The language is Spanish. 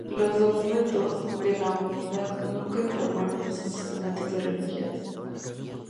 Los documentos de la unidad nunca informaron los asesinatos de refugiados.